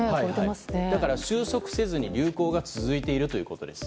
だから、収束せずに流行が続いているということです。